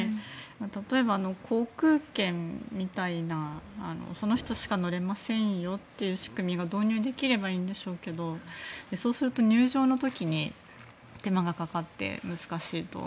例えば航空券みたいなその人しか乗れませんよという仕組みが導入できればいいんでしょうけどそうすると入場の時に手間がかかって難しいと。